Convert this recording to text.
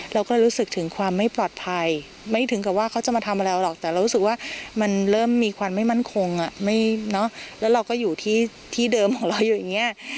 เราก็รู้สึกถึงความไม่ปลอดภัยไม่ถึงกับว่าเขาจะมาทำอะไรเราหรอกแต่เรารู้สึกว่ามันเริ่มมีความไม่มั่นคงแล้วเราก็อยู่ที่เดิมของเราอยู่อย่างเงี้ย